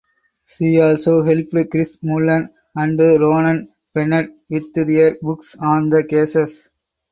She also helped Chris Mullen and Ronan Bennett with their books on the cases.